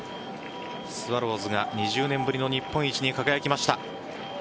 スワローズが２０年ぶりの日本一に輝きました。